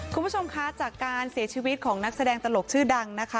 คุณผู้ชมคะจากการเสียชีวิตของนักแสดงตลกชื่อดังนะคะ